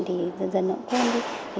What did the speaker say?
thì dần dần nó quên đi